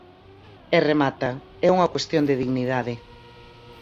E remata: "É unha cuestión de dignidade".